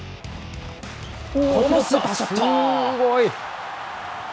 すごい。